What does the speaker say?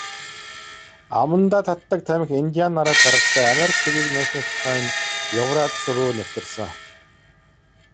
Амандаа татдаг тамхи индиан нараас гаралтай, Америк тивийг нээснээс хойно Еврази руу нэвтэрсэн.